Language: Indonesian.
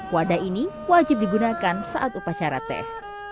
wadah ini wajib digunakan saat upacara teh